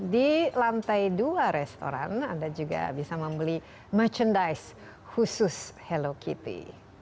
di lantai dua restoran anda juga bisa membeli merchandise khusus hello kitty